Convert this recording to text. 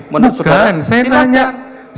menurut saudara silahkan